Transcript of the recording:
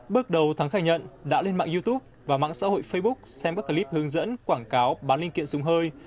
bước đầu thắng khai nhận đã lên mạng youtube và mạng xã hội facebook xem các clip hướng dẫn quảng cáo bán linh kiện súng hơi